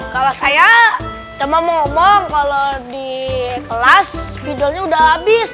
kalau saya teman mau ngomong kalau di kelas video nya udah habis